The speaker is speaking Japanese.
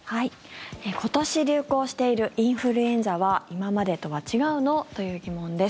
今年、流行しているインフルエンザは今までとは違うの？という疑問です。